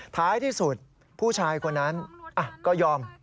ท้ายที่สุดผู้ชายคนนั้นก็ยอม